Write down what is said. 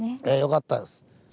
ええよかったです。